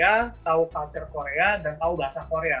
karena saya tahu bahasa korea tahu culture korea dan tahu bahasa korea